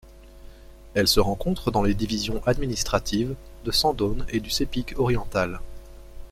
Elle se rencontre dans les divisions administratives de Sandaun et du Sepik oriental.